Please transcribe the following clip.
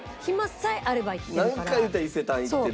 なんかいうたら伊勢丹行ってる。